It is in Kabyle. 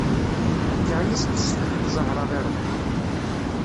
Akka i as-tessefhem Zahra i rebbi.